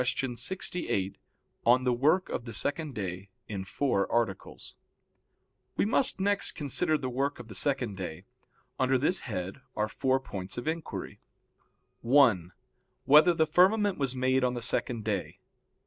_______________________ QUESTION 68 ON THE WORK OF THE SECOND DAY (In Four Articles) We must next consider the work of the second day. Under this head there are four points of inquiry: (1) Whether the firmament was made on the second day?